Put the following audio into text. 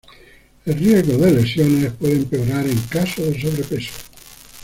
El riesgo de lesiones puede empeorar en caso de sobrepeso.